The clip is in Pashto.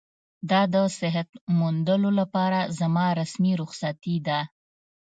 دا د صحت موندلو لپاره زما رسمي رخصتي ده.